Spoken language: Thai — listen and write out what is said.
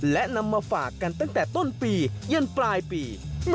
และนำมาฝากกันตั้งแต่ต้นปียันปลายปี